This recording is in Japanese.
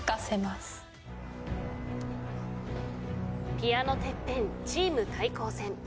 ピアノＴＥＰＰＥＮチーム対抗戦。